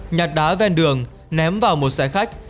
nhặt đá ven đường ném vào một xe khách